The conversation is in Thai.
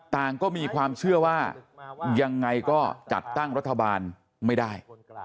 ต่างก็มีความเชื่อว่ายังไงก็จัดตั้งรัฐบาลไม่ได้